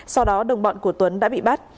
sau đó đồng bọn của tuấn đã bị bắt